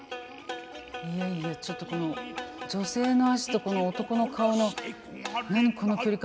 いやいやちょっとこの女性の足とこの男の顔の何この距離感。